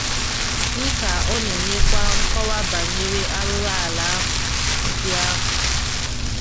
Dịka ọ na-enyekwu nkọwa banyere arụrụala ahụ ndị ahụ